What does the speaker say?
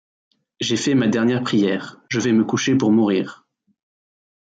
J’ai fait ma dernière prière, je vais me coucher pour mourir.